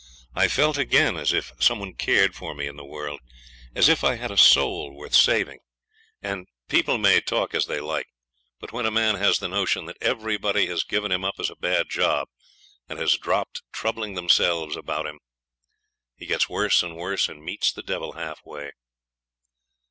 I felt again as if some one cared for me in the world, as if I had a soul worth saving. And people may talk as they like, but when a man has the notion that everybody has given him up as a bad job, and has dropped troubling themselves about him, he gets worse and worse, and meets the devil half way.